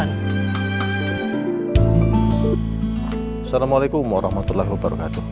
assalamualaikum warahmatullahi wabarakatuh